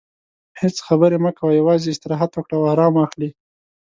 هیڅ خبرې مه کوه، یوازې استراحت وکړه او ارام واخلې.